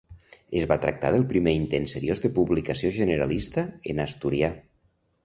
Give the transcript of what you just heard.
Es va tractar del primer intent seriós de publicació generalista en asturià.